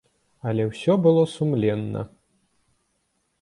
Але ўсё было сумленна.